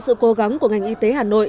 sự cố gắng của ngành y tế hà nội